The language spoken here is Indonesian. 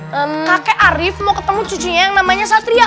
kakek arief mau ketemu cucunya yang namanya satria